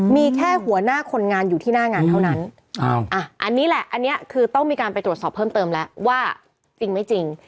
มีแค่หัวหน้าคนงานอยู่ที่หน้างานเท่านั้นอันนี้แหละอันนี้คือต้องมีการไปตรวจสอบเพิ่มเติมแล้วว่าจริงไม่จริง